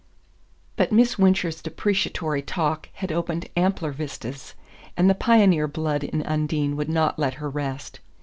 But Miss Wincher's depreciatory talk had opened ampler vistas, and the pioneer blood in Undine would not let her rest.